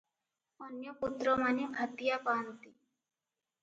ଅନ୍ୟ ପୁତ୍ରମାନେ ଭାତିଆ ପାଆନ୍ତି ।